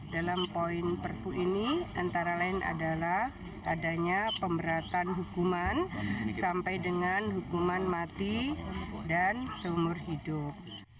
dalam poin perpu ini antara lain adalah adanya pemberatan hukuman sampai dengan hukuman mati dan seumur hidup